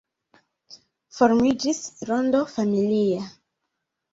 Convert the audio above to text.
Formiĝis rondo familia.